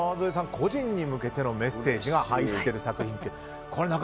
個人に向けてのメッセージが入っている作品